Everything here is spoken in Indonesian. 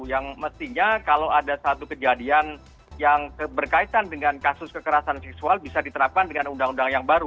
yang mestinya kalau ada satu kejadian yang berkaitan dengan kasus kekerasan seksual bisa diterapkan dengan undang undang yang baru